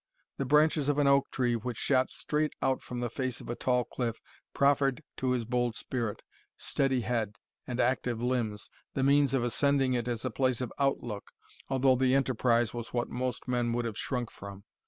The branches of an oak tree, which shot straight out from the face of a tall cliff, proffered to his bold spirit, steady head, and active limbs, the means of ascending it as a place of out look, although the enterprise was what most men would have shrunk from.